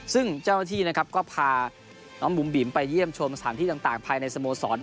ซึ่งเจ้าหน้าที่นะครับก็พาน้องบุ๋มบิ๋มไปเยี่ยมชมสถานที่ต่างภายในสโมสร